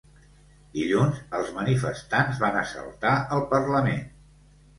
Dilluns, els manifestants van assaltar el parlament.